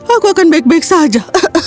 aku akan baik baik saja